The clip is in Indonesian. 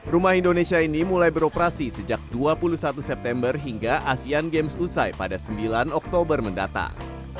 rumah indonesia ini mulai beroperasi sejak dua puluh satu september hingga asean games usai pada sembilan oktober mendatang